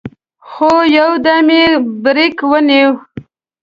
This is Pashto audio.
خو يودم يې برېک ونيو.